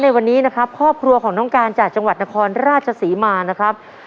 ในวันนี้นะครับครอบครัวของน้องการจากจังหวัดนครราชศรีมานะครับ